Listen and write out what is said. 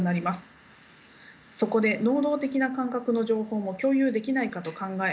そこで能動的な感覚の情報も共有できないかと考え